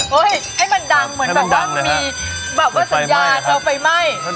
ให้มันดังเหมือนแบบว่ามันมีแบบว่าสัญญาณเราไฟไหม้